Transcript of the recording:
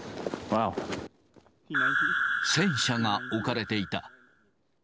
戦車が置かれていた。